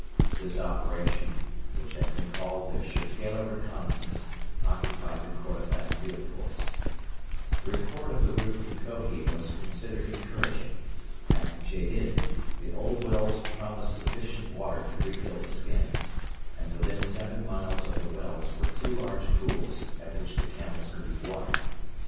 This operation, which has been called the Shirkela Reconnaissance, occupied the Kordofan Field Force. The report of the route from Kohi was considered encouraging. At Gedid the old wells promised sufficient water to refill the skins, and within seven miles of the wells were two large pools at which the camels could be watered.